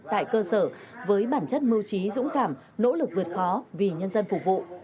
tại cơ sở với bản chất mưu trí dũng cảm nỗ lực vượt khó vì nhân dân phục vụ